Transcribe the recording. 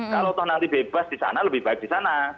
kalau toh nanti bebas di sana lebih baik di sana